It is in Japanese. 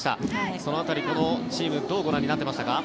その辺り、このシーンどうご覧になっていましたか？